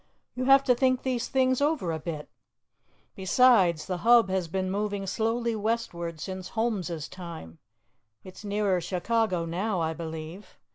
You have to think these things over a bit. Besides, the Hub has been moving slowly westward since Holmes' time. It's nearer Chicago, now, I believe.